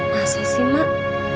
masa sih mak